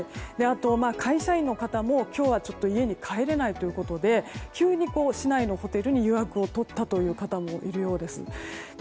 あと、会社員の方も今日は家に帰れないということで急に市内のホテルに予約を取ったという方もいるようです。